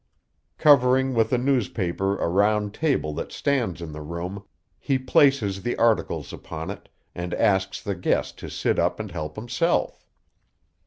Covering with a newspaper a round table that stands in the room, he places the articles upon it, and asks the guest to sit up and help himself.